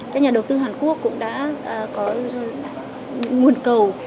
các nhà đầu tư hàn quốc cũng đã có nguồn cầu